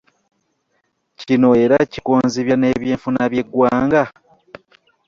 Kino era kikonzibya n'eby'enfuna by'eggwanga.